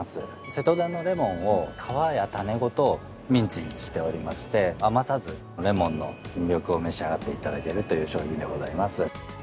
瀬戸田のレモンを皮や種ごとミンチにしておりまして余さずレモンの魅力を召し上がって頂けるという商品でございます。